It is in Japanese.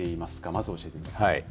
まず教えてください。